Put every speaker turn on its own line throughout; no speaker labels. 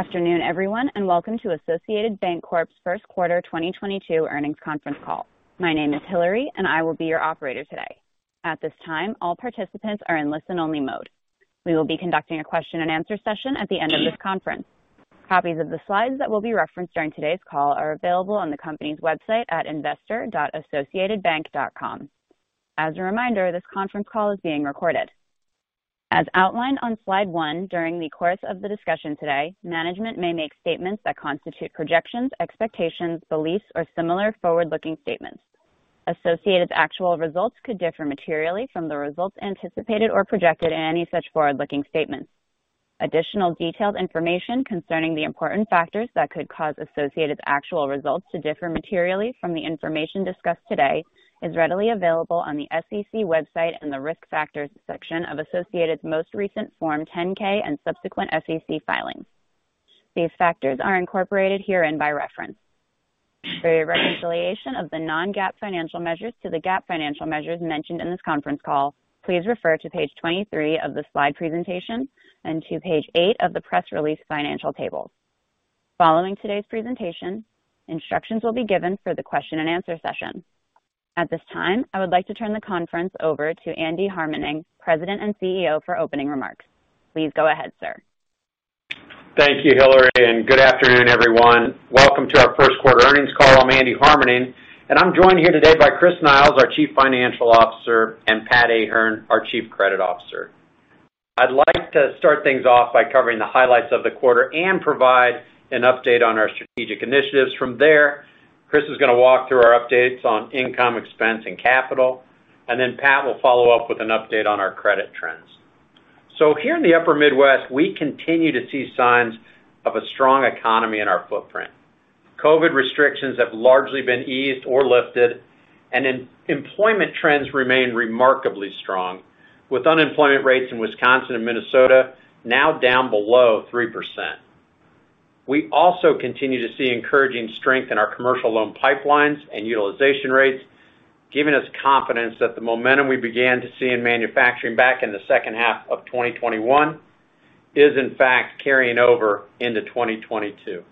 Afternoon, everyone, and welcome to Associated Banc-Corp's first quarter 2022 earnings conference call. My name is Hillary, and I will be your operator today. At this time, all participants are in listen-only mode. We will be conducting a question-and-answer session at the end of this conference. Copies of the slides that will be referenced during today's call are available on the company's website at investor.associatedbank.com. As a reminder, this conference call is being recorded. As outlined on slide one, during the course of the discussion today, management may make statements that constitute projections, expectations, beliefs, or similar forward-looking statements. Associated's actual results could differ materially from the results anticipated or projected in any such forward-looking statements. Additional detailed information concerning the important factors that could cause Associated's actual results to differ materially from the information discussed today is readily available on the SEC website in the Risk Factors section of Associated's most recent Form 10-K and subsequent SEC filings. These factors are incorporated herein by reference. For a reconciliation of the non-GAAP financial measures to the GAAP financial measures mentioned in this conference call, please refer to page 23 of the slide presentation and to page 8 of the press release financial tables. Following today's presentation, instructions will be given for the question-and-answer session. At this time, I would like to turn the conference over to Andy Harmening, President and CEO, for opening remarks. Please go ahead, sir.
Thank you, Hillary, and good afternoon, everyone. Welcome to our first quarter earnings call. I'm Andy Harmening, and I'm joined here today by Chris Niles, our Chief Financial Officer, and Pat Ahern, our Chief Credit Officer. I'd like to start things off by covering the highlights of the quarter and provide an update on our strategic initiatives. From there, Chris is gonna walk through our updates on income, expense, and capital, and then Pat will follow up with an update on our credit trends. Here in the upper Midwest, we continue to see signs of a strong economy in our footprint. COVID restrictions have largely been eased or lifted, and employment trends remain remarkably strong, with unemployment rates in Wisconsin and Minnesota now down below 3%. We also continue to see encouraging strength in our commercial loan pipelines and utilization rates, giving us confidence that the momentum we began to see in manufacturing back in the second half of 2021 is in fact carrying over into 2022.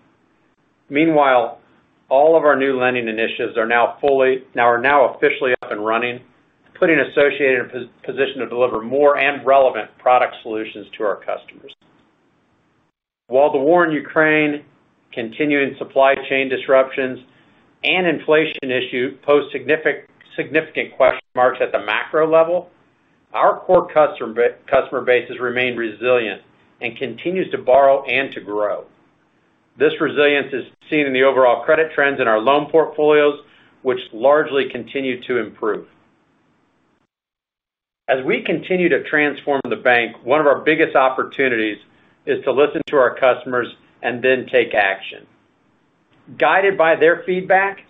Meanwhile, all of our new lending initiatives are now officially up and running, putting Associated in a position to deliver more relevant product solutions to our customers. While the war in Ukraine, continuing supply chain disruptions, and inflation issues pose significant question marks at the macro level, our core customer base has remained resilient and continues to borrow and to grow. This resilience is seen in the overall credit trends in our loan portfolios, which largely continue to improve. As we continue to transform the bank, one of our biggest opportunities is to listen to our customers and then take action. Guided by their feedback,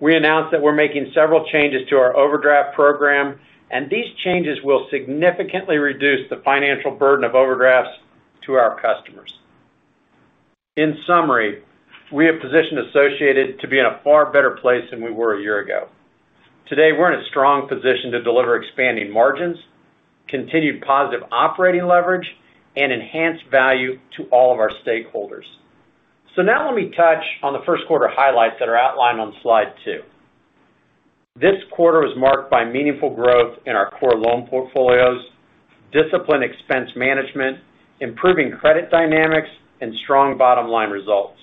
we announced that we're making several changes to our overdraft program, and these changes will significantly reduce the financial burden of overdrafts to our customers. In summary, we have positioned Associated to be in a far better place than we were a year ago. Today, we're in a strong position to deliver expanding margins, continued positive operating leverage, and enhanced value to all of our stakeholders. Now let me touch on the first quarter highlights that are outlined on slide two. This quarter was marked by meaningful growth in our core loan portfolios, disciplined expense management, improving credit dynamics, and strong bottom-line results.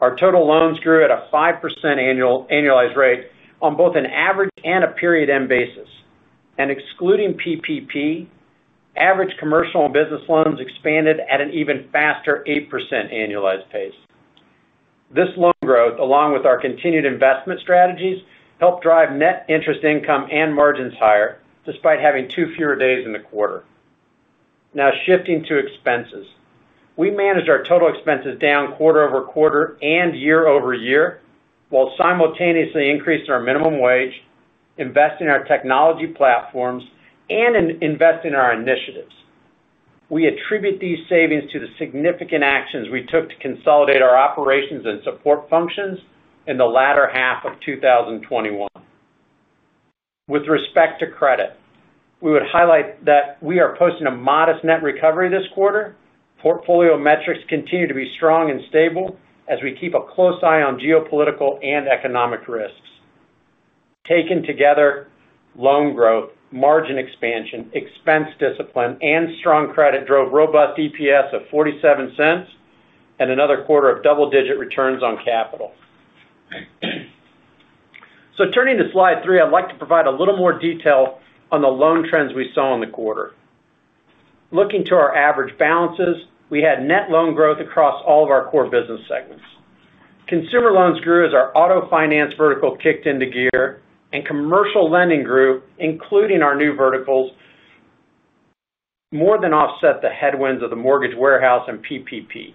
Our total loans grew at a 5% annualized rate on both an average and a period-end basis. Excluding PPP, average commercial and business loans expanded at an even faster 8% annualized pace. This loan growth, along with our continued investment strategies, helped drive net interest income and margins higher despite having two fewer days in the quarter. Now shifting to expenses. We managed our total expenses down quarter-over-quarter and year-over-year, while simultaneously increasing our minimum wage, investing in our technology platforms, and investing in our initiatives. We attribute these savings to the significant actions we took to consolidate our operations and support functions in the latter half of 2021. With respect to credit, we would highlight that we are posting a modest net recovery this quarter. Portfolio metrics continue to be strong and stable as we keep a close eye on geopolitical and economic risks. Taken together, loan growth, margin expansion, expense discipline, and strong credit drove robust EPS of $0.47 and another quarter of double-digit returns on capital. Turning to slide three, I'd like to provide a little more detail on the loan trends we saw in the quarter. Looking to our average balances, we had net loan growth across all of our core business segments. Consumer loans grew as our auto finance vertical kicked into gear, and commercial lending grew, including our new verticals more than offset the headwinds of the mortgage warehouse and PPP.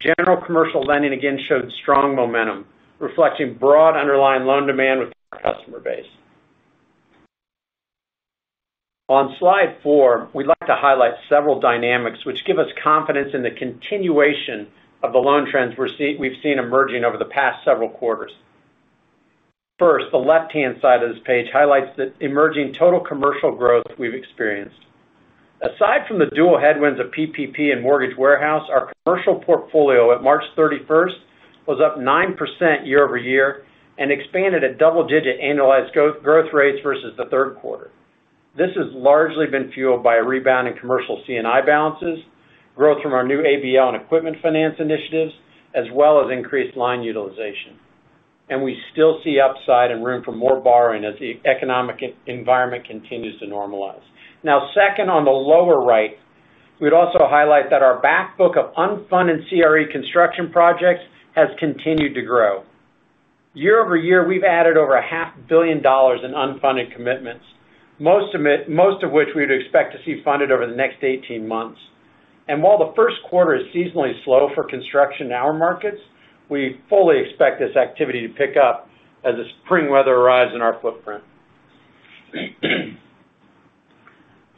General commercial lending again showed strong momentum, reflecting broad underlying loan demand with our customer base. On slide four, we'd like to highlight several dynamics which give us confidence in the continuation of the loan trends we've seen emerging over the past several quarters. First, the left-hand side of this page highlights the emerging total commercial growth we've experienced. Aside from the dual headwinds of PPP and mortgage warehouse, our commercial portfolio at March 31st was up 9% year-over-year and expanded at double-digit annualized growth rates versus the third quarter. This has largely been fueled by a rebound in commercial C&I balances, growth from our new ABL and equipment finance initiatives, as well as increased line utilization. We still see upside and room for more borrowing as the economic environment continues to normalize. Now, second, on the lower right, we'd also highlight that our back book of unfunded CRE construction projects has continued to grow. Year-over-year, we've added over $500 million in unfunded commitments, most of which we would expect to see funded over the next 18 months. While the first quarter is seasonally slow for construction in our markets, we fully expect this activity to pick up as the spring weather arrives in our footprint.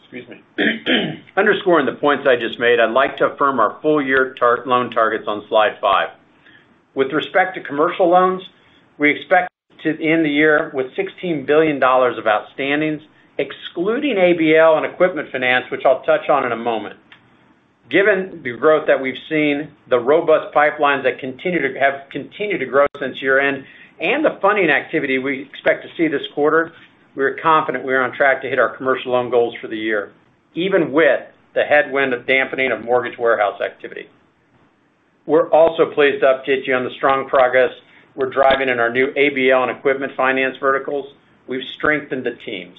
Excuse me. Underscoring the points I just made, I'd like to affirm our full-year loan targets on slide five. With respect to commercial loans, we expect to end the year with $16 billion of outstandings, excluding ABL and equipment finance, which I'll touch on in a moment. Given the growth that we've seen, the robust pipelines that have continued to grow since year-end, and the funding activity we expect to see this quarter, we're confident we're on track to hit our commercial loan goals for the year, even with the headwind of dampening of mortgage warehouse activity. We're also pleased to update you on the strong progress we're driving in our new ABL and equipment finance verticals. We've strengthened the teams.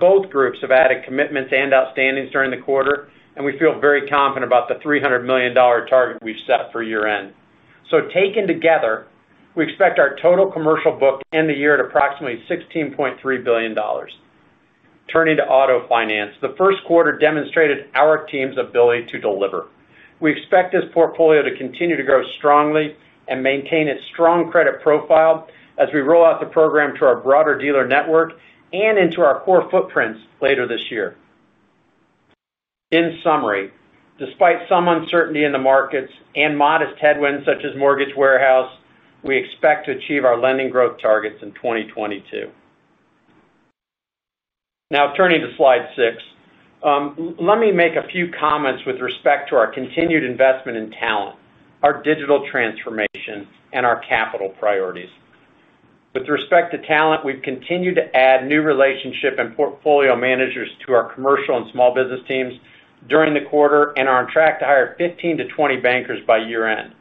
Both groups have added commitments and outstandings during the quarter, and we feel very confident about the $300 million target we've set for year-end. Taken together, we expect our total commercial book to end the year at approximately $16.3 billion. Turning to auto finance, the first quarter demonstrated our team's ability to deliver. We expect this portfolio to continue to grow strongly and maintain its strong credit profile as we roll out the program to our broader dealer network and into our core footprints later this year. In summary, despite some uncertainty in the markets and modest headwinds such as mortgage warehouse, we expect to achieve our lending growth targets in 2022. Now, turning to slide six, let me make a few comments with respect to our continued investment in talent, our digital transformation, and our capital priorities. With respect to talent, we've continued to add new relationship and portfolio managers to our commercial and small business teams during the quarter and are on track to hire 15-20 bankers by year-end.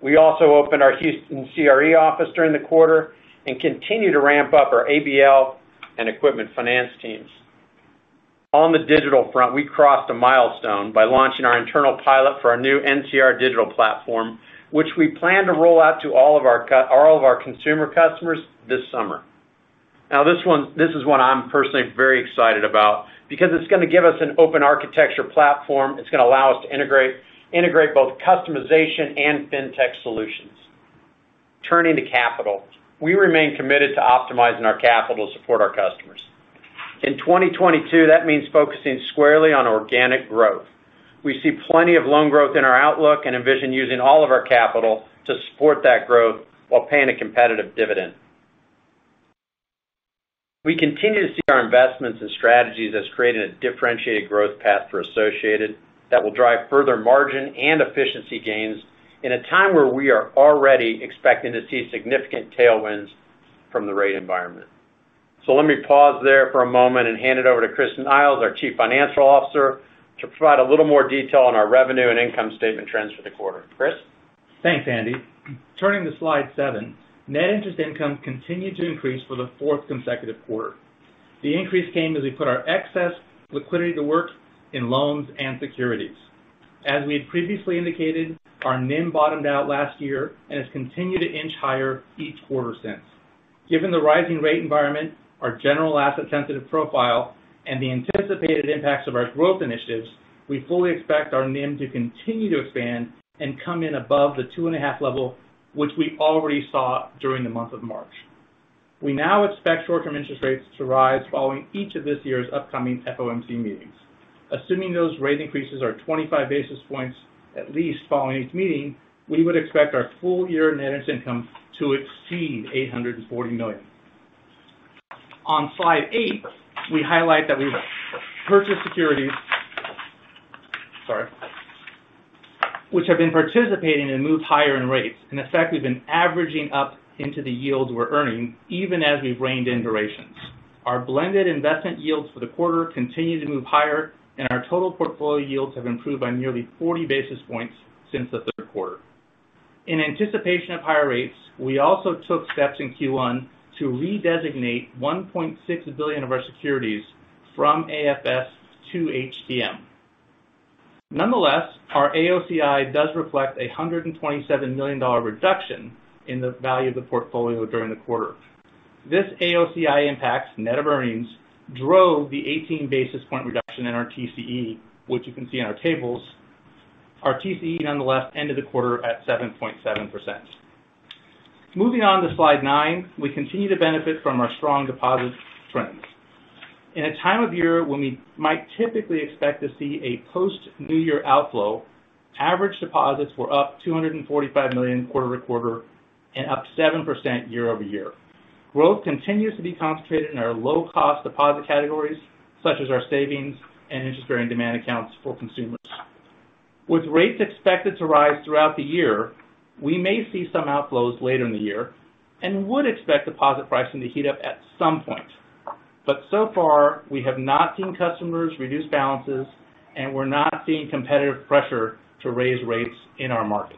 We also opened our Houston CRE office during the quarter and continue to ramp up our ABL and equipment finance teams. On the digital front, we crossed a milestone by launching our internal pilot for our new NCR digital platform, which we plan to roll out to all of our all of our consumer customers this summer. Now, this one, this is one I'm personally very excited about because it's gonna give us an open architecture platform. It's gonna allow us to integrate both customization and fintech solutions. Turning to capital, we remain committed to optimizing our capital to support our customers. In 2022, that means focusing squarely on organic growth. We see plenty of loan growth in our outlook and envision using all of our capital to support that growth while paying a competitive dividend. We continue to see our investments and strategies as creating a differentiated growth path for Associated that will drive further margin and efficiency gains in a time where we are already expecting to see significant tailwinds from the rate environment. Let me pause there for a moment and hand it over to Chris Niles, our Chief Financial Officer, to provide a little more detail on our revenue and income statement trends for the quarter. Chris?
Thanks, Andy. Turning to slide seven, net interest income continued to increase for the fourth consecutive quarter. The increase came as we put our excess liquidity to work in loans and securities. As we had previously indicated, our NIM bottomed out last year and has continued to inch higher each quarter since. Given the rising rate environment, our general asset sensitive profile, and the anticipated impacts of our growth initiatives, we fully expect our NIM to continue to expand and come in above the 2.5% level, which we already saw during the month of March. We now expect short-term interest rates to rise following each of this year's upcoming FOMC meetings. Assuming those rate increases are 25 basis points, at least following each meeting, we would expect our full year net interest income to exceed $840 million. On slide eight, we highlight that we've purchased securities, sorry, which have been participating and moved higher in rates. In effect, we've been averaging up into the yields we're earning, even as we've reined in durations. Our blended investment yields for the quarter continue to move higher, and our total portfolio yields have improved by nearly 40 basis points since the third quarter. In anticipation of higher rates, we also took steps in Q1 to re-designate $1.6 billion of our securities from AFS to HTM. Nonetheless, our AOCI does reflect a $127 million reduction in the value of the portfolio during the quarter. This AOCI impact on net earnings drove the 18 basis point reduction in our TCE, which you can see in our tables. Our TCE, nonetheless, ended the quarter at 7.7%. Moving on to slide nine, we continue to benefit from our strong deposit trends. In a time of year when we might typically expect to see a post-New Year outflow, average deposits were up $245 million quarter-over-quarter and up 7% year-over-year. Growth continues to be concentrated in our low-cost deposit categories, such as our savings and interest-bearing demand accounts for consumers. With rates expected to rise throughout the year, we may see some outflows later in the year and would expect deposit pricing to heat up at some point. So far, we have not seen customers reduce balances, and we're not seeing competitive pressure to raise rates in our markets.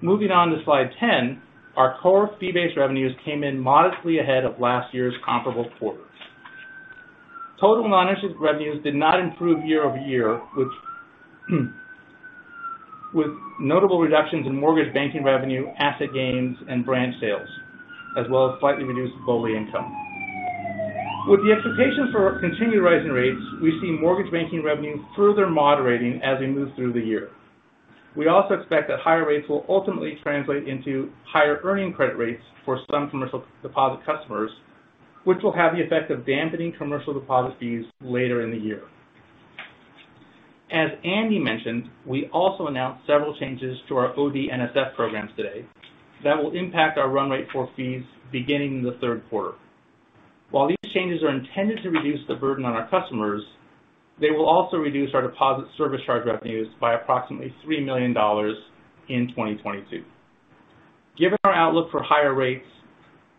Moving on to slide 10. Our core fee-based revenues came in modestly ahead of last year's comparable quarter. Total non-interest revenues did not improve year-over-year, with notable reductions in mortgage banking revenue, asset gains, and branch sales, as well as slightly reduced income. With the expectations for continued rising rates, we see mortgage banking revenues further moderating as we move through the year. We also expect that higher rates will ultimately translate into higher earning credit rates for some commercial deposit customers, which will have the effect of dampening commercial deposit fees later in the year. As Andy mentioned, we also announced several changes to our OD/NSF programs today that will impact our run rate for fees beginning in the third quarter. While these changes are intended to reduce the burden on our customers, they will also reduce our deposit service charge revenues by approximately $3 million in 2022. Given our outlook for higher rates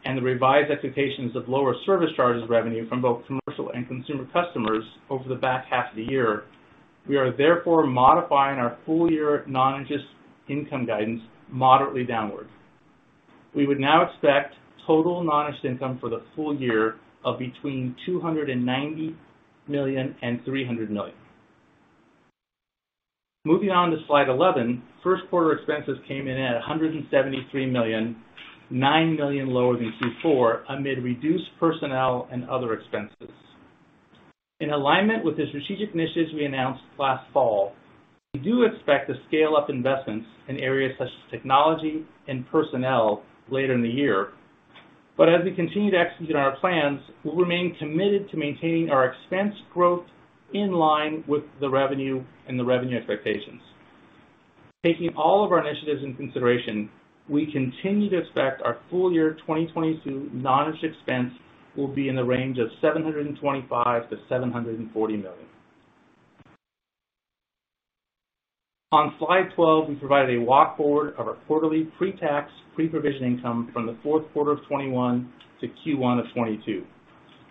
and the revised expectations of lower service charges revenue from both commercial and consumer customers over the back half of the year, we are therefore modifying our full year non-interest income guidance moderately downward. We would now expect total non-interest income for the full year of between $290 million and $300 million. Moving on to slide 11. First quarter expenses came in at $173 million, $9 million lower than Q4, amid reduced personnel and other expenses. In alignment with the strategic initiatives we announced last fall, we do expect to scale up investments in areas such as technology and personnel later in the year. As we continue to execute on our plans, we'll remain committed to maintaining our expense growth in line with the revenue and the revenue expectations. Taking all of our initiatives into consideration, we continue to expect our full year 2022 non-interest expense will be in the range of $725 million-$740 million. On slide 12, we provide a walk forward of our quarterly pre-tax, pre-provision income from the fourth quarter of 2021 to Q1 of 2022.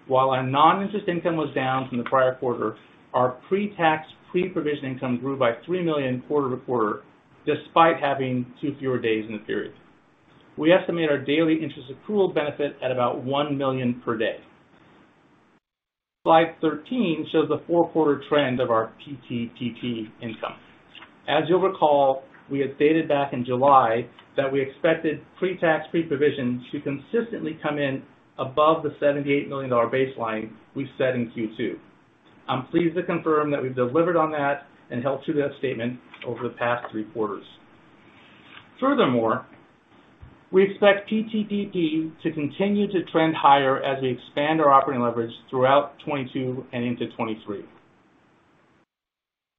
While our non-interest income was down from the prior quarter, our pre-tax, pre-provision income grew by $3 million quarter to quarter despite having 2 fewer days in the period. We estimate our daily interest accrual benefit at about $1 million per day. Slide 13 shows the four-quarter trend of our PTPP income. As you'll recall, we had stated back in July that we expected pre-tax, pre-provision to consistently come in above the $78 million baseline we've set in Q2. I'm pleased to confirm that we've delivered on that and held to that statement over the past three quarters. Furthermore, we expect PTPP to continue to trend higher as we expand our operating leverage throughout 2022 and into 2023.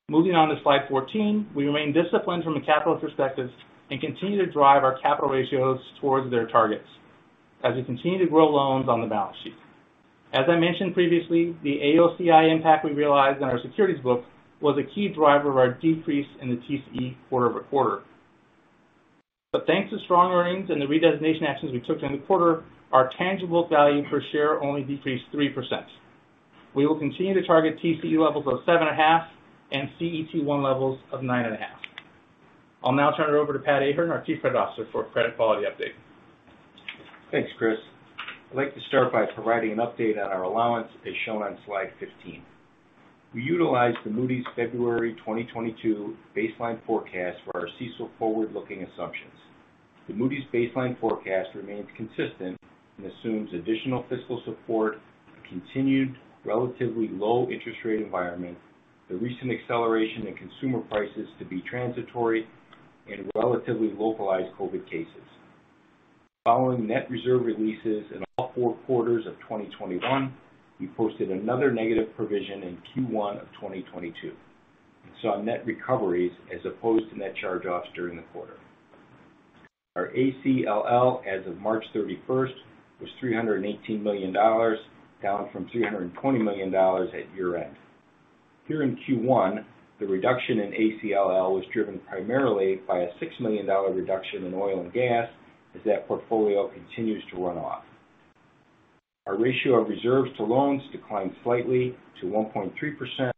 Moving on to slide 14. We remain disciplined from a capital perspective and continue to drive our capital ratios towards their targets as we continue to grow loans on the balance sheet. As I mentioned previously, the AOCI impact we realized in our securities book was a key driver of our decrease in the TCE quarter-over-quarter. But thanks to strong earnings and the redesignation actions we took during the quarter, our tangible value per share only decreased 3%. We will continue to target TCE levels of 7.5, and CET1 levels of 9.5. I'll now turn it over to Pat Ahern, our Chief Credit Officer, for a credit quality update.
Thanks, Chris. I'd like to start by providing an update on our allowance as shown on slide 15. We utilized the Moody's February 2022 baseline forecast for our CECL forward-looking assumptions. The Moody's baseline forecast remains consistent and assumes additional fiscal support, a continued relatively low interest rate environment, the recent acceleration in consumer prices to be transitory and relatively localized COVID cases. Following net reserve releases in all four quarters of 2021, we posted another negative provision in Q1 of 2022 and saw net recoveries as opposed to net charge-offs during the quarter. Our ACLL as of March 31st was $318 million, down from $320 million at year-end. Here in Q1, the reduction in ACLL was driven primarily by a $6 million reduction in oil and gas as that portfolio continues to run off. Our ratio of reserves to loans declined slightly to 1.3%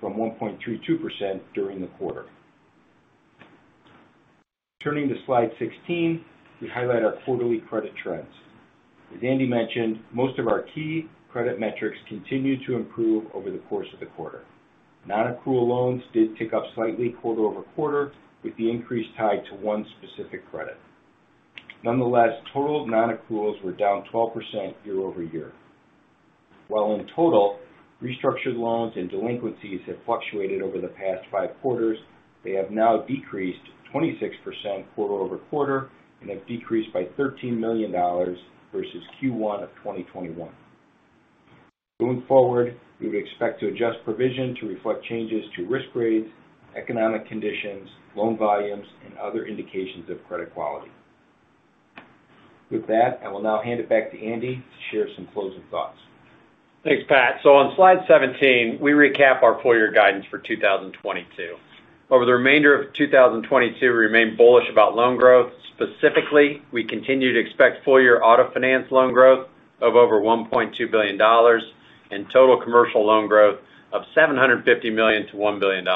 from 1.32% during the quarter. Turning to slide 16, we highlight our quarterly credit trends. As Andy mentioned, most of our key credit metrics continued to improve over the course of the quarter. Non-accrual loans did tick up slightly quarter-over-quarter, with the increase tied to one specific credit. Nonetheless, total non-accruals were down 12% year-over-year, while in total Restructured loans and delinquencies have fluctuated over the past 5 quarters. They have now decreased 26% quarter-over-quarter and have decreased by $13 million versus Q1 of 2021. Going forward, we would expect to adjust provision to reflect changes to risk grades, economic conditions, loan volumes, and other indications of credit quality. With that, I will now hand it back to Andy to share some closing thoughts.
Thanks, Pat. On slide 17, we recap our full year guidance for 2022. Over the remainder of 2022, we remain bullish about loan growth. Specifically, we continue to expect full year auto finance loan growth of over $1.2 billion and total commercial loan growth of $750 million-$1 billion.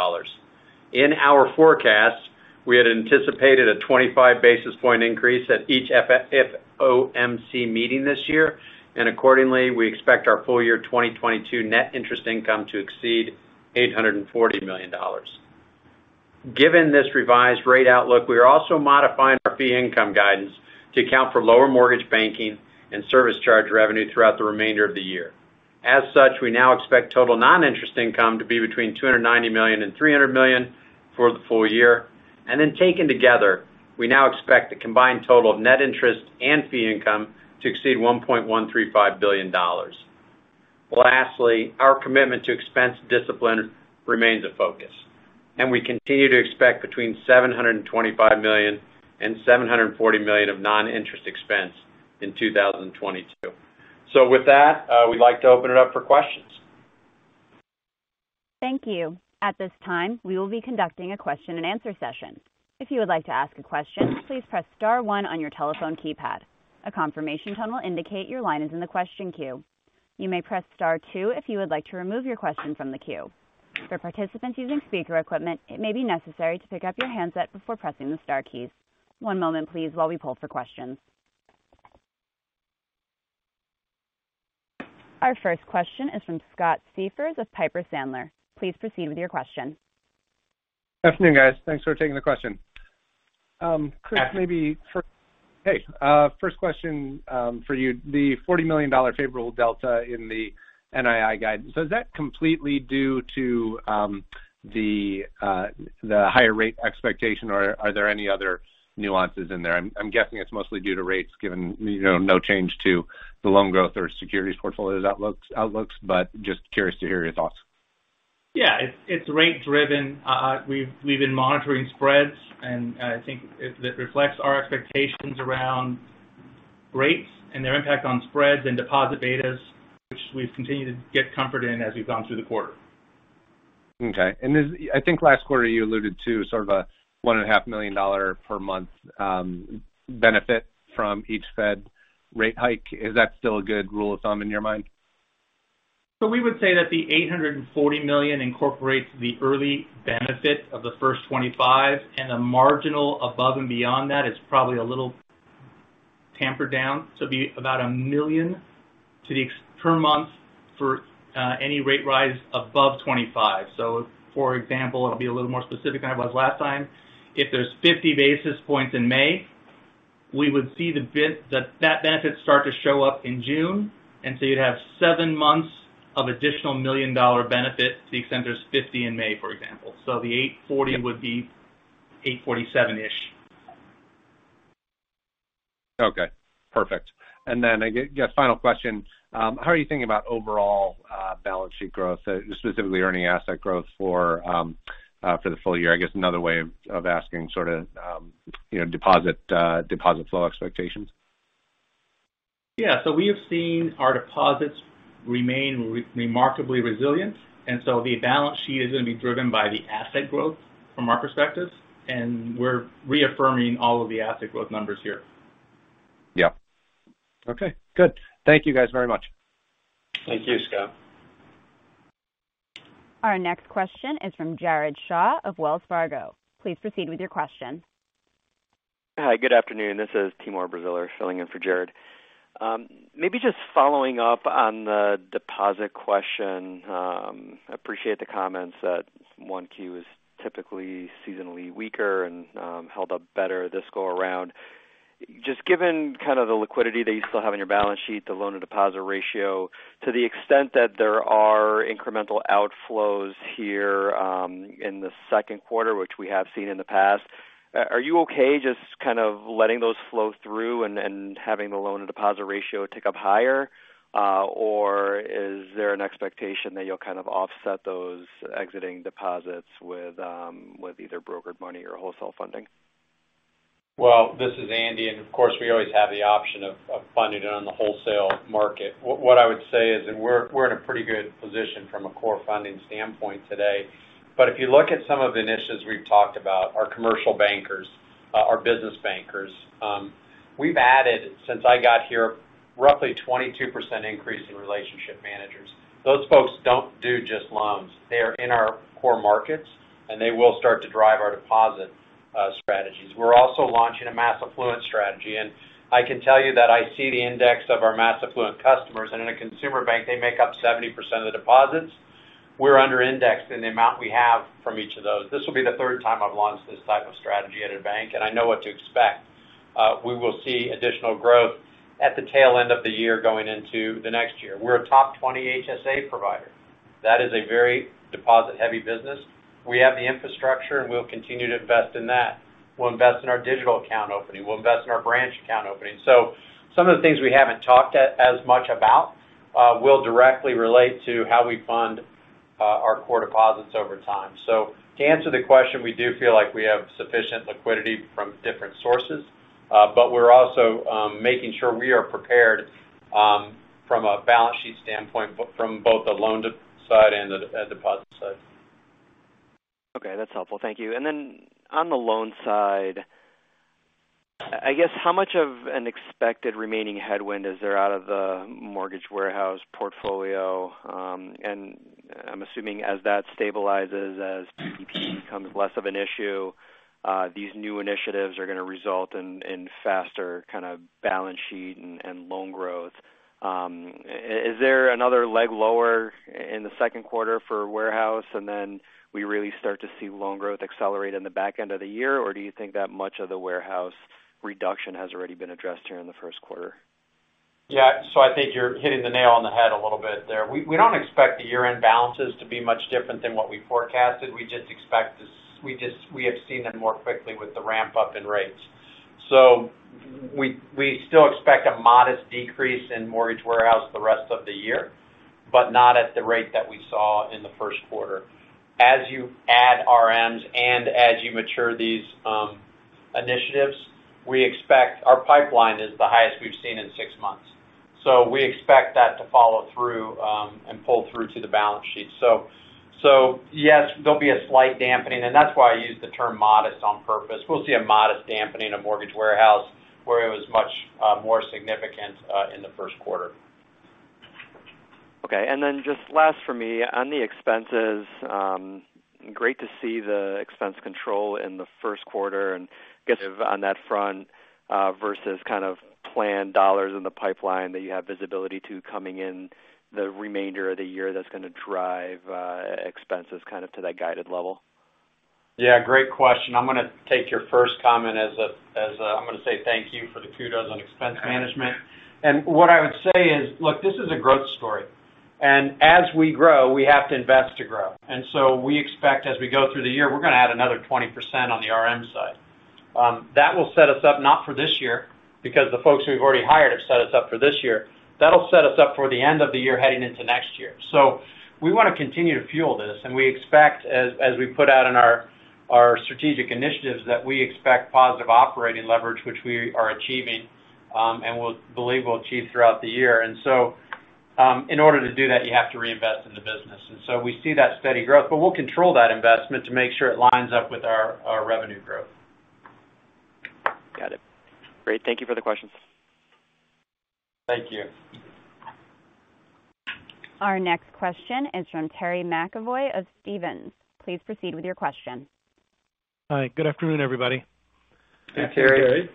In our forecast, we had anticipated a 25 basis point increase at each FOMC meeting this year. Accordingly, we expect our full year 2022 net interest income to exceed $840 million. Given this revised rate outlook, we are also modifying our fee income guidance to account for lower mortgage banking and service charge revenue throughout the remainder of the year. As such, we now expect total non-interest income to be between $290 million and $300 million for the full year. Taken together, we now expect a combined total of net interest and fee income to exceed $1.135 billion. Lastly, our commitment to expense discipline remains a focus, and we continue to expect between $725 million and $740 million of non-interest expense in 2022. With that, we'd like to open it up for questions.
Thank you. At this time, we will be conducting a question and answer session. If you would like to ask a question, please press star one on your telephone keypad. A confirmation tone will indicate your line is in the question queue. You may press star two if you would like to remove your question from the queue. For participants using speaker equipment, it may be necessary to pick up your handset before pressing the star keys. One moment, please, while we pull for questions. Our first question is from Scott Siefers of Piper Sandler. Please proceed with your question.
Good afternoon, guys. Thanks for taking the question. Chris, first question, for you. The $40 million favorable delta in the NII guidance, so is that completely due to the higher rate expectation, or are there any other nuances in there? I'm guessing it's mostly due to rates given, you know, no change to the loan growth or securities portfolio outlooks. Just curious to hear your thoughts.
Yeah, it's rate-driven. We've been monitoring spreads, and I think it reflects our expectations around rates and their impact on spreads and deposit betas, which we've continued to get comfort in as we've gone through the quarter.
Okay. I think last quarter you alluded to sort of a $1.5 million per month benefit from each Fed rate hike. Is that still a good rule of thumb in your mind?
We would say that the $840 million incorporates the early benefit of the first 25, and the marginal above and beyond that is probably a little tempered down to be about $1 million per month for any rate rise above 25. For example, it'll be a little more specific than I was last time. If there's 50 basis points in May, we would see that benefit start to show up in June. You'd have seven months of additional $1 million benefit to the extent there's 50 in May, for example. The 840 would be 847-ish.
Okay, perfect. I guess final question. How are you thinking about overall balance sheet growth, specifically earning asset growth for the full year? I guess another way of asking sorta, you know, deposit flow expectations.
Yeah. We have seen our deposits remain remarkably resilient, and the balance sheet is going to be driven by the asset growth from our perspective, and we're reaffirming all of the asset growth numbers here.
Yeah. Okay, good. Thank you guys very much.
Thank you, Scott.
Our next question is from Jared Shaw of Wells Fargo. Please proceed with your question.
Hi, good afternoon. This is Timur Braziler filling in for Jared. Maybe just following up on the deposit question. Appreciate the comments that 1Q is typically seasonally weaker and held up better this go around. Just given kind of the liquidity that you still have on your balance sheet, the loan to deposit ratio, to the extent that there are incremental outflows here in the second quarter, which we have seen in the past, are you okay just kind of letting those flow through and having the loan to deposit ratio tick up higher? Or is there an expectation that you'll kind of offset those exiting deposits with either brokered money or wholesale funding?
This is Andy, and of course, we always have the option of funding it on the wholesale market. What I would say is that we're in a pretty good position from a core funding standpoint today. If you look at some of the initiatives we've talked about, our commercial bankers, our business bankers, we've added, since I got here, roughly 22% increase in relationship managers. Those folks don't do just loans. They are in our core markets, and they will start to drive our deposit strategies. We're also launching a mass affluent strategy, and I can tell you that I see the index of our mass affluent customers. In a consumer bank, they make up 70% of the deposits. We're under-indexed in the amount we have from each of those. This will be the third time I've launched this type of strategy at a bank, and I know what to expect. We will see additional growth at the tail end of the year going into the next year. We're a top 20 HSA provider. That is a very deposit-heavy business. We have the infrastructure, and we'll continue to invest in that. We'll invest in our digital account opening, we'll invest in our branch account opening. Some of the things we haven't talked as much about will directly relate to how we fund our core deposits over time. To answer the question, we do feel like we have sufficient liquidity from different sources, but we're also making sure we are prepared from a balance sheet standpoint, from both the loan side and the deposit side.
Okay, that's helpful. Thank you. On the loan side, I guess how much of an expected remaining headwind is there out of the mortgage warehouse portfolio? I'm assuming as that stabilizes, as PPP becomes less of an issue, these new initiatives are gonna result in faster kind of balance sheet and loan growth. Is there another leg lower in the second quarter for warehouse, and then we really start to see loan growth accelerate in the back end of the year, or do you think that much of the warehouse reduction has already been addressed here in the first quarter?
Yeah. I think you're hitting the nail on the head a little bit there. We don't expect the year-end balances to be much different than what we forecasted. We just have seen them more quickly with the ramp-up in rates. We still expect a modest decrease in mortgage warehouse the rest of the year, but not at the rate that we saw in the first quarter. As you add RMs and as you mature these initiatives, we expect our pipeline is the highest we've seen in six months. We expect that to follow through and pull through to the balance sheet. Yes, there'll be a slight dampening, and that's why I use the term modest on purpose. We'll see a modest dampening of mortgage warehouse where it was much more significant in the first quarter.
Okay. Just last for me. On the expenses, great to see the expense control in the first quarter and guess on that front, versus kind of planned dollars in the pipeline that you have visibility to coming in the remainder of the year that's gonna drive, expenses kind of to that guided level.
Yeah, great question. I'm gonna take your first comment. I'm gonna say thank you for the kudos on expense management. What I would say is, look, this is a growth story. As we grow, we have to invest to grow. We expect as we go through the year, we're gonna add another 20% on the RM side. That will set us up not for this year, because the folks we've already hired have set us up for this year. That'll set us up for the end of the year heading into next year. We wanna continue to fuel this, and we expect as we put out in our strategic initiatives, that we expect positive operating leverage, which we are achieving, and we believe we'll achieve throughout the year. In order to do that, you have to reinvest in the business. We see that steady growth, but we'll control that investment to make sure it lines up with our revenue growth.
Got it. Great. Thank you for the questions.
Thank you.
Our next question is from Terry McEvoy of Stephens. Please proceed with your question.
Hi. Good afternoon, everybody.
Hey, Terry.
Hey,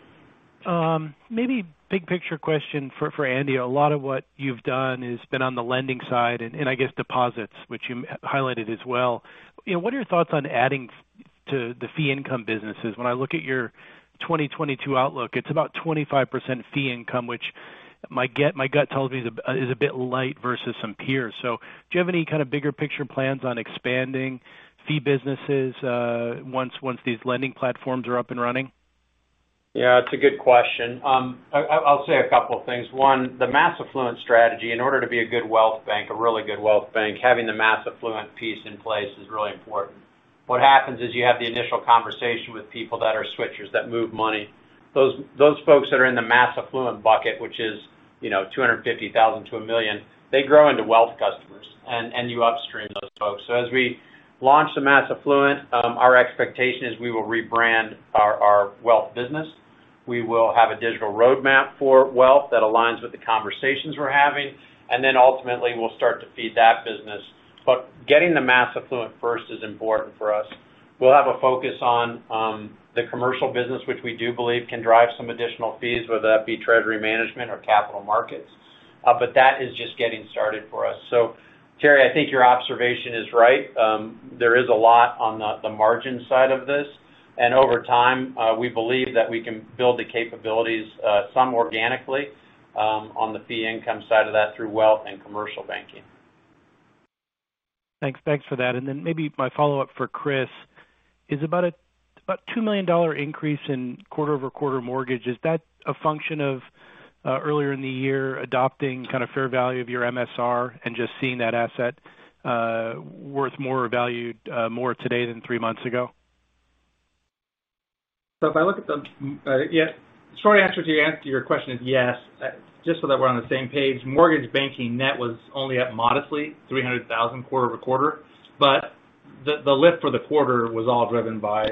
Terry.
Maybe big picture question for Andy. A lot of what you've done has been on the lending side and I guess deposits, which you highlighted as well. You know, what are your thoughts on adding to the fee income businesses? When I look at your 2022 outlook, it's about 25% fee income, which my gut tells me is a bit light versus some peers. Do you have any kind of bigger picture plans on expanding fee businesses, once these lending platforms are up and running?
Yeah, it's a good question. I'll say a couple things. One, the mass affluent strategy, in order to be a good wealth bank, a really good wealth bank, having the mass affluent piece in place is really important. What happens is you have the initial conversation with people that are switchers, that move money. Those folks that are in the mass affluent bucket, which is, you know, $250,000-$1 million, they grow into wealth customers, and you upstream those folks. So as we launch the mass affluent, our expectation is we will rebrand our wealth business. We will have a digital roadmap for wealth that aligns with the conversations we're having. And then ultimately, we'll start to feed that business. Getting the mass affluent first is important for us. We'll have a focus on the commercial business, which we do believe can drive some additional fees, whether that be treasury management or capital markets. But that is just getting started for us. Terry, I think your observation is right. There is a lot on the margin side of this. Over time, we believe that we can build the capabilities, some organically, on the fee income side of that through wealth and commercial banking.
Thanks. Thanks for that. Then maybe my follow-up for Chris is about a $2 million increase quarter-over-quarter in mortgage. Is that a function of earlier in the year adopting kind of fair value of your MSR and just seeing that asset worth more or valued more today than three months ago?
Yeah. Short answer to your question is yes. Just so that we're on the same page, mortgage banking net was only up modestly, $300,000 quarter-over-quarter. The lift for the quarter was all driven by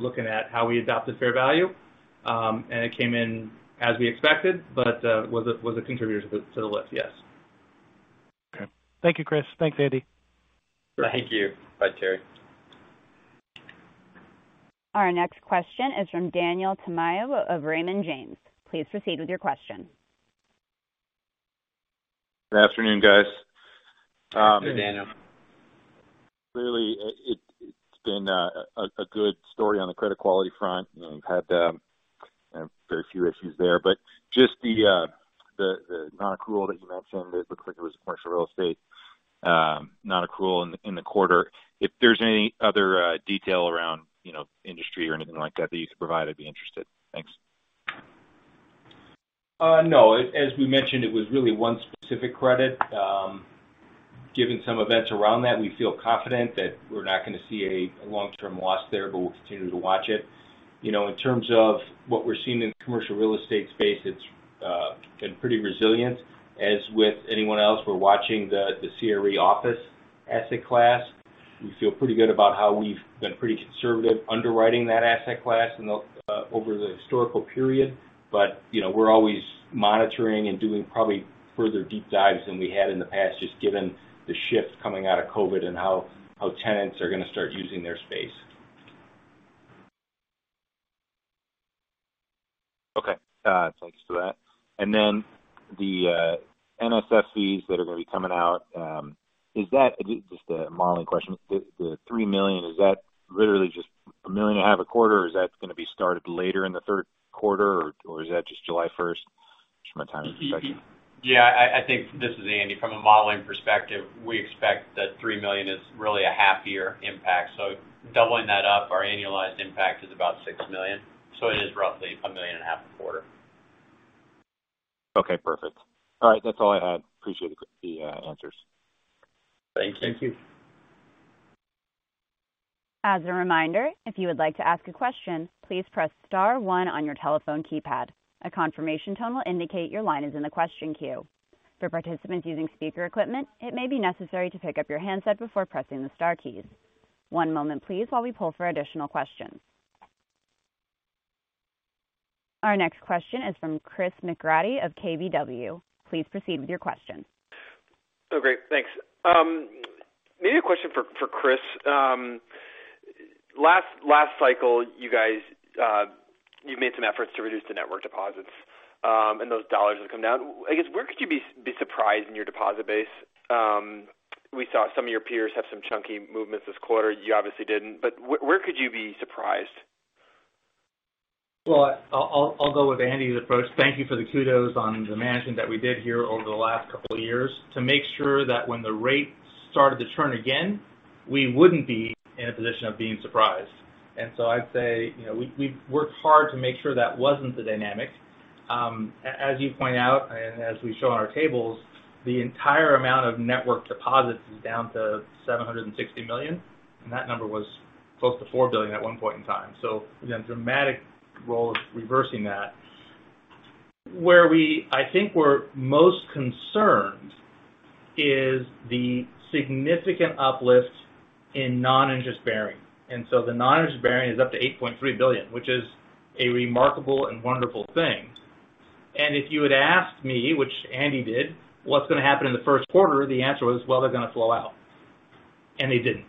looking at how we adopted fair value. It came in as we expected, but was a contributor to the lift, yes.
Okay. Thank you, Chris. Thanks, Andy.
Thank you. Bye, Terry.
Our next question is from Daniel Tamayo of Raymond James. Please proceed with your question.
Good afternoon, guys.
Good afternoon.
Clearly, it's been a good story on the credit quality front. You know, we've had very few issues there. Just the non-accrual that you mentioned, it looks like it was commercial real estate non-accrual in the quarter. If there's any other detail around, you know, industry or anything like that that you could provide, I'd be interested. Thanks.
No. As we mentioned, it was really one specific credit. Given some events around that, we feel confident that we're not gonna see a long-term loss there, but we'll continue to watch it. You know, in terms of what we're seeing in the commercial real estate space, it's been pretty resilient. As with anyone else, we're watching the CRE office asset class. We feel pretty good about how we've been pretty conservative underwriting that asset class over the historical period. You know, we're always monitoring and doing probably further deep dives than we had in the past, just given the shift coming out of COVID and how tenants are gonna start using their space.
Okay. Thanks for that. The NSF fees that are gonna be coming out, is that just a modeling question. The $3 million, is that literally just $1.5 million a quarter, or is that gonna be started later in the third quarter, or is that just July first? Just my timing perspective.
I think. This is Andy. From a modeling perspective, we expect that $3 million is really a half year impact. Doubling that up, our annualized impact is about $6 million. It is roughly $1.5 million a quarter.
Okay. Perfect. All right. That's all I had. Appreciate the answers.
Thanks.
Thank you.
As a reminder, if you would like to ask a question, please press star one on your telephone keypad. A confirmation tone will indicate your line is in the question queue. For participants using speaker equipment, it may be necessary to pick up your handset before pressing the star keys. One moment please while we poll for additional questions. Our next question is from Chris McGratty of KBW. Please proceed with your question.
Oh, great. Thanks. Maybe a question for Chris. Last cycle, you guys made some efforts to reduce the network deposits, and those dollars have come down. I guess, where could you be surprised in your deposit base? We saw some of your peers have some chunky movements this quarter. You obviously didn't, but where could you be surprised?
Well, I'll go with Andy's approach. Thank you for the kudos on the management that we did here over the last couple of years to make sure that when the rates started to turn again, we wouldn't be in a position of being surprised. I'd say, you know, we worked hard to make sure that wasn't the dynamic. As you point out, and as we show on our tables, the entire amount of network deposits is down to $760 million, and that number was close to $4 billion at one point in time. We've had a dramatic roll of reversing that. I think we're most concerned is the significant uplifts in non-interest bearing. The non-interest bearing is up to $8.3 billion, which is a remarkable and wonderful thing. If you had asked me, which Andy did, what's gonna happen in the first quarter, the answer was, well, they're gonna flow out, and they didn't.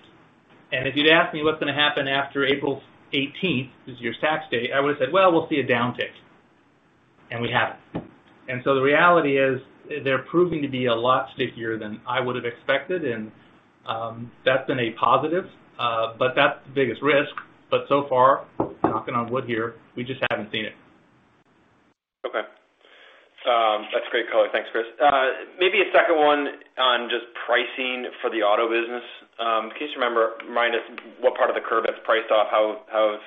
If you'd asked me what's gonna happen after April eighteenth, is your tax date, I would have said, "Well, we'll see a downtick," and we haven't. The reality is, they're proving to be a lot stickier than I would have expected, and that's been a positive. That's the biggest risk. So far, knocking on wood here, we just haven't seen it.
Okay. That's a great color. Thanks, Chris. Maybe a second one on just pricing for the auto business. In case you remember which part of the curve that's priced off, how have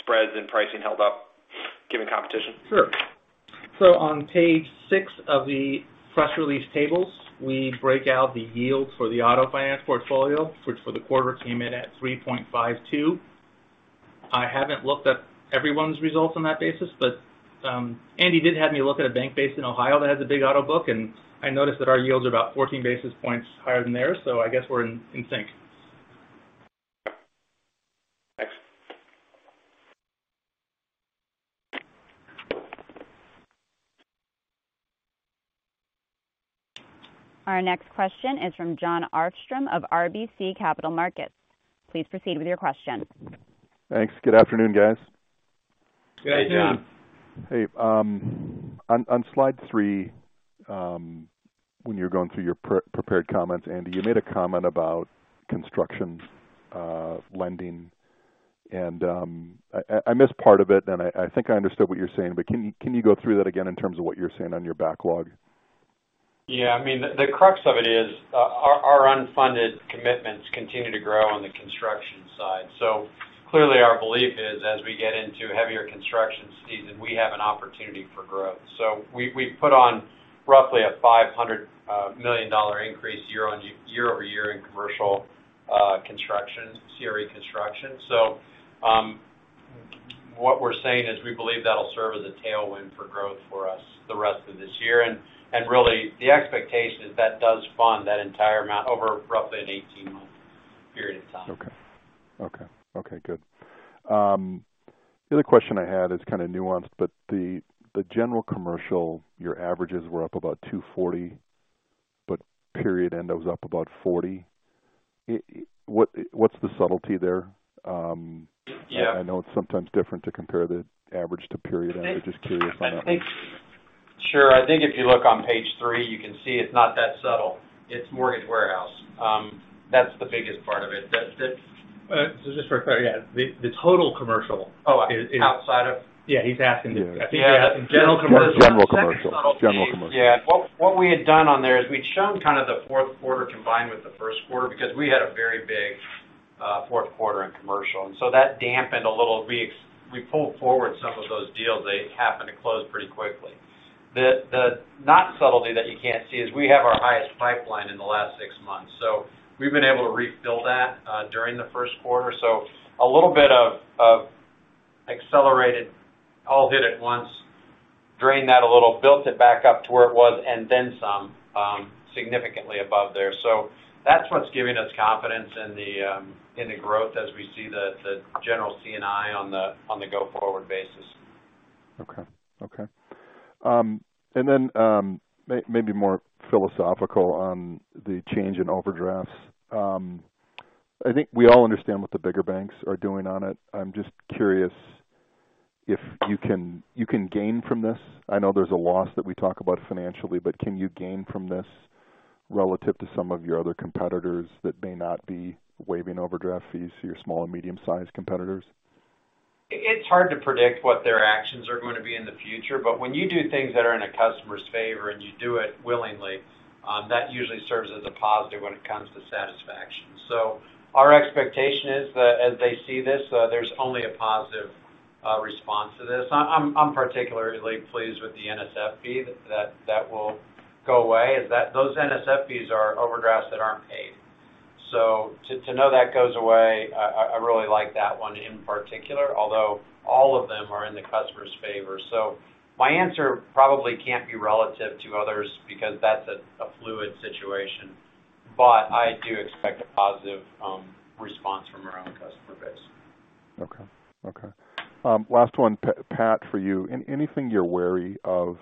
spreads and pricing held up given competition?
Sure. On page six of the press release tables, we break out the yields for the auto finance portfolio, which for the quarter came in at 3.52. I haven't looked up everyone's results on that basis, but Andy did have me look at a bank based in Ohio that has a big auto book, and I noticed that our yields are about 14 basis points higher than theirs, so I guess we're in sync.
Thanks.
Our next question is from Jon Arfstrom of RBC Capital Markets. Please proceed with your question.
Thanks. Good afternoon, guys.
Good afternoon.
Hey, Jon.
Hey. On slide three, when you were going through your pre-prepared comments, Andy, you made a comment about construction lending, and I missed part of it, and I think I understood what you're saying, but can you go through that again in terms of what you're saying on your backlog?
Yeah. I mean, the crux of it is, our unfunded commitments continue to grow on the construction side. Clearly, our belief is as we get into heavier construction season, we have an opportunity for growth. We put on roughly a $500 million increase year-over-year in commercial construction, CRE construction. What we're saying is we believe that'll serve as a tailwind for growth for us the rest of this year. Really the expectation is that does fund that entire amount over roughly an 18-month period of time.
Okay, good. The other question I had is kind of nuanced, but the general commercial, your averages were up about $240 but period end, it was up about $40. What's the subtlety there?
Yeah.
I know it's sometimes different to compare the average to period end. I'm just curious on that one.
Sure. I think if you look on page three, you can see it's not that subtle. It's mortgage warehouse. That's the biggest part of it.
Just for clarity, the total commercial
Oh, outside of
Yeah. He's asking the general commercial.
General commercial.
Yeah. What we had done on there is we'd shown kind of the fourth quarter combined with the first quarter because we had a very big fourth quarter in commercial. That dampened a little. We pulled forward some of those deals. They happened to close pretty quickly. The not-so-subtlety that you can't see is we have our highest pipeline in the last six months. We've been able to refill that during the first quarter. A little bit of acceleration all hit at once, drained that a little, built it back up to where it was and then some, significantly above there. That's what's giving us confidence in the growth as we see the general C&I on the go-forward basis.
Okay. Maybe more philosophical on the change in overdrafts. I think we all understand what the bigger banks are doing on it. I'm just curious if you can gain from this. I know there's a loss that we talk about financially, but can you gain from this relative to some of your other competitors that may not be waiving overdraft fees to your small and medium-sized competitors?
It's hard to predict what their actions are going to be in the future, but when you do things that are in a customer's favor and you do it willingly, that usually serves as a positive when it comes to satisfaction. Our expectation is that as they see this, there's only a positive response to this. I'm particularly pleased with the NSF fee that will go away. That is, those NSF fees are overdrafts that aren't paid. To know that goes away, I really like that one in particular. Although all of them are in the customer's favor. My answer probably can't be relative to others because that's a fluid situation. I do expect a positive response from our own customer base.
Okay. Okay. Last one, Pat, for you. Anything you're wary of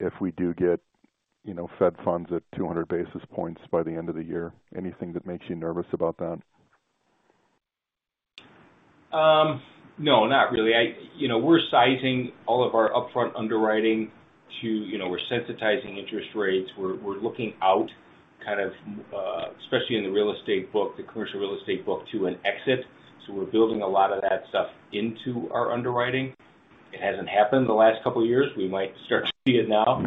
if we do get, you know, Fed funds at 200 basis points by the end of the year? Anything that makes you nervous about that?
No, not really. You know, we're sizing all of our upfront underwriting to you know, we're sensitizing interest rates. We're looking out especially in the real estate book, the commercial real estate book, to an exit. So we're building a lot of that stuff into our underwriting. It hasn't happened the last couple of years. We might start to see it now.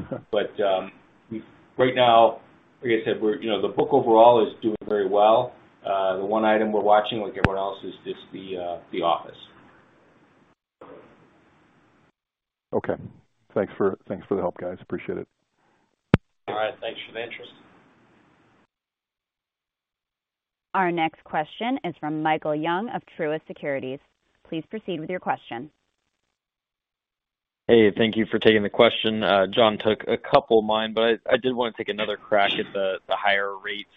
Right now, like I said, we're you know, the book overall is doing very well. The one item we're watching like everyone else is just the office.
Okay. Thanks for the help, guys. Appreciate it.
All right. Thanks for the interest.
Our next question is from Michael Young of Truist Securities. Please proceed with your question.
Hey, thank you for taking the question. Jon took a couple of mine, but I did want to take another crack at the higher rates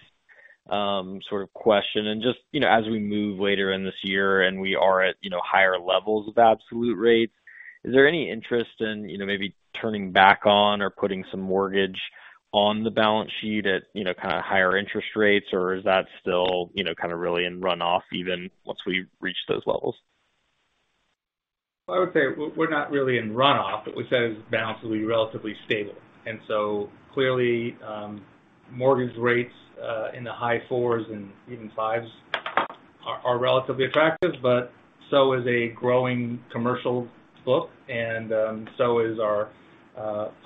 sort of question. Just, you know, as we move later in this year and we are at, you know, higher levels of absolute rates, is there any interest in, you know, maybe turning back on or putting some mortgage on the balance sheet at, you know, kind of higher interest rates? Or is that still, you know, kind of really in runoff even once we reach those levels?
I would say we're not really in runoff. We said it's balanced, we're relatively stable. Clearly, mortgage rates in the high 4s and even 5s are relatively attractive, but so is a growing commercial book, and so is our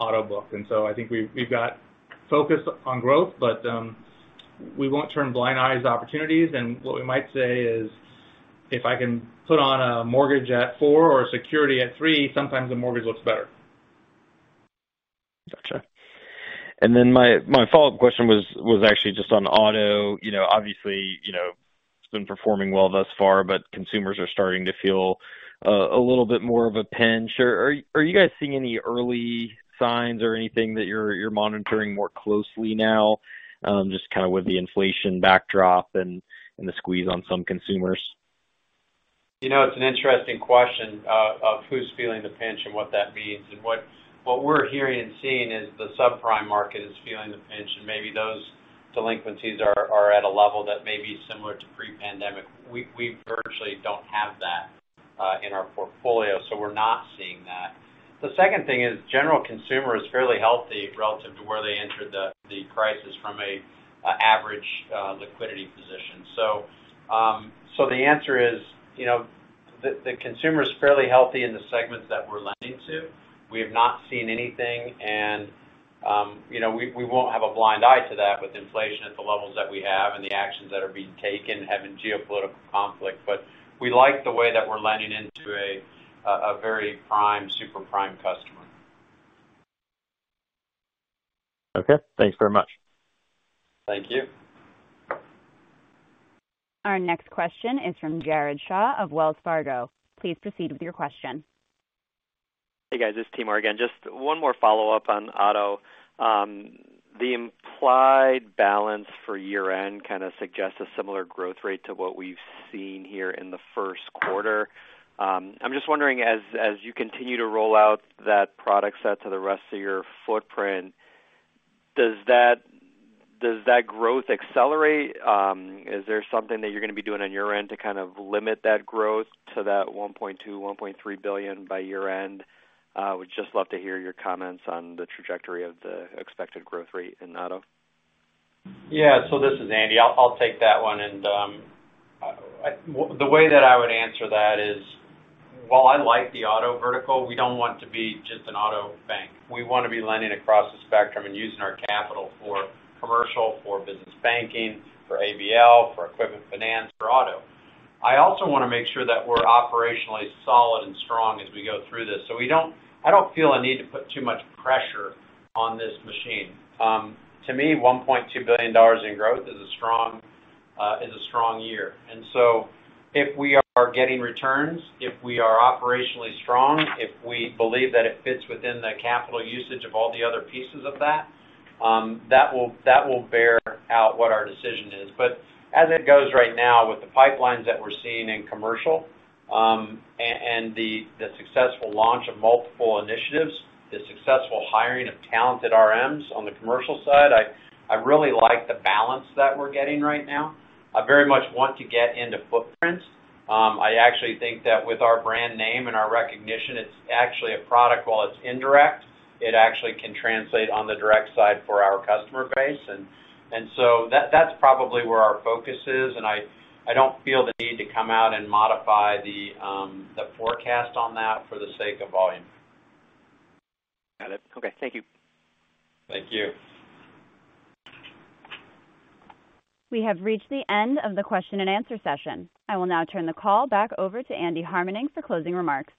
auto book. I think we've got focus on growth, but we won't turn a blind eye to opportunities. What we might say is, if I can put on a mortgage at four or a security at three, sometimes the mortgage looks better.
Gotcha. Then my follow-up question was actually just on auto. You know, obviously, you know, it's been performing well thus far, but consumers are starting to feel a little bit more of a pinch. Are you guys seeing any early signs or anything that you're monitoring more closely now, just kind of with the inflation backdrop and the squeeze on some consumers?
You know, it's an interesting question of who's feeling the pinch and what that means. What we're hearing and seeing is the subprime market is feeling the pinch, and maybe those delinquencies are at a level that may be similar to pre-pandemic. We virtually don't have that in our portfolio, so we're not seeing that. The second thing is general consumer is fairly healthy relative to where they entered the crisis from a average liquidity position. So the answer is, you know, the consumer is fairly healthy in the segments that we're lending to. We have not seen anything and, you know, we won't have a blind eye to that with inflation at the levels that we have and the actions that are being taken and the geopolitical conflict. We like the way that we're lending into a very prime, super prime customer.
Okay. Thanks very much.
Thank you.
Our next question is from Jared Shaw of Wells Fargo. Please proceed with your question.
Hey, guys. This is Timur again. Just one more follow-up on auto. The implied balance for year-end kind of suggests a similar growth rate to what we've seen here in the first quarter. I'm just wondering, as you continue to roll out that product set to the rest of your footprint. Does that growth accelerate? Is there something that you're gonna be doing on your end to kind of limit that growth to that $1.2-$1.3 billion by year-end? Would just love to hear your comments on the trajectory of the expected growth rate in auto.
Yeah, this is Andy. I'll take that one. The way that I would answer that is, while I like the auto vertical, we don't want to be just an auto bank. We wanna be lending across the spectrum and using our capital for commercial, for business banking, for ABL, for equipment finance, for auto. I also wanna make sure that we're operationally solid and strong as we go through this. I don't feel a need to put too much pressure on this machine. To me, $1.2 billion in growth is a strong year. If we are getting returns, if we are operationally strong, if we believe that it fits within the capital usage of all the other pieces of that will bear out what our decision is. As it goes right now with the pipelines that we're seeing in commercial, and the successful launch of multiple initiatives, the successful hiring of talented RMs on the commercial side, I really like the balance that we're getting right now. I very much want to get into footprints. I actually think that with our brand name and our recognition, it's actually a product, while it's indirect, it actually can translate on the direct side for our customer base. And so that's probably where our focus is, and I don't feel the need to come out and modify the forecast on that for the sake of volume.
Got it. Okay. Thank you.
Thank you.
We have reached the end of the question and answer session. I will now turn the call back over to Andy Harmening for closing remarks.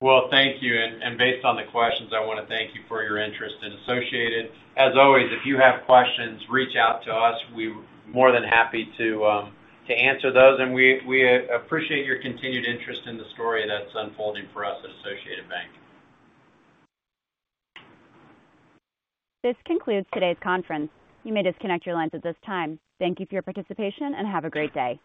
Well, thank you. Based on the questions, I wanna thank you for your interest in Associated. As always, if you have questions, reach out to us. We're more than happy to answer those. We appreciate your continued interest in the story that's unfolding for us at Associated Bank.
This concludes today's conference. You may disconnect your lines at this time. Thank you for your participation, and have a great day.